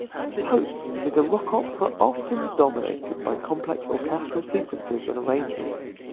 "Hope" is a rock opera often dominated by complex orchestral sequences and arrangements.